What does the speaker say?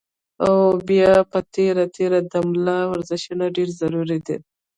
او بيا پۀ تېره تېره د ملا ورزشونه ډېر ضروري دي